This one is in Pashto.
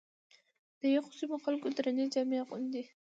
د یخو سیمو خلک درنې جامې اغوندي.